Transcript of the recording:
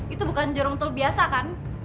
itu bukan jarum tol biasa kan